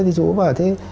thì chú bảo